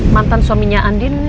mantan suaminya andin